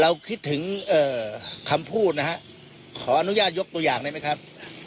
คิดถึงคำพูดนะฮะขออนุญาตยกตัวอย่างได้ไหมครับ